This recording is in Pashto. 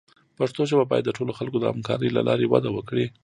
پښتو ژبه باید د ټولو خلکو د همکارۍ له لارې وده وکړي.